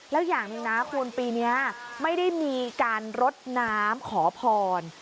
แล้วอย่างหนึ่งนะคุณปีนี้ไม่ได้มีการรดน้ำขอพร